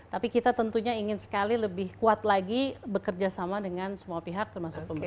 tapi kita tentunya ingin sekali lebih kuat lagi bekerja sama dengan semua pihak termasuk pemerintah